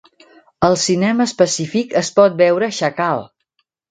Als cinemes Pacific es pot veure "Xacal"